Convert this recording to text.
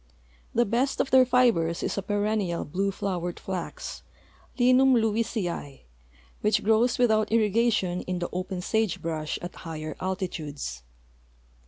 The best of their fibers is a perennial blue liowered flax, Linum lewisii, which grows without irrigation in the open sage brush at higher altitudes.